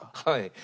はい。